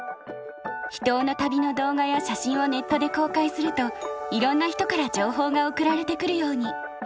秘湯の旅の動画や写真をネットで公開するといろんな人から情報が送られてくるように。